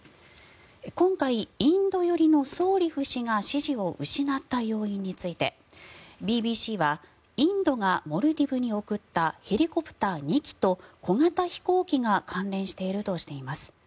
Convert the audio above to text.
今回、インド寄りのソーリフ氏が支持を失った要因についてＢＢＣはインドがモルディブに贈ったヘリコプター２機と小型飛行機が関連しているとしています。